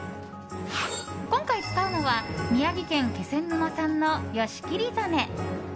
今回使うのは宮城県気仙沼産のヨシキリザメ。